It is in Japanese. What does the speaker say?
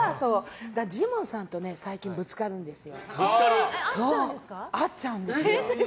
だからジモンさんとね最近ぶつかるんですよ。